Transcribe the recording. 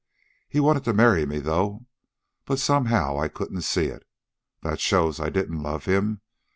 He wanted to marry me, though. But somehow I couldn't see it. That shows I didn't love him.